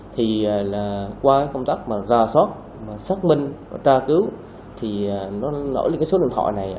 thì là qua công tác mà ra sót xác minh ra cứu thì nó nổi lên cái số điện thoại này